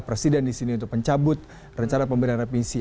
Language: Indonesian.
presiden di sini untuk mencabut rencana pemberian revisi